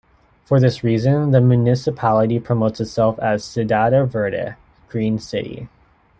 For this reason the municipality promotes itself as "Cidade Verde", "Green City".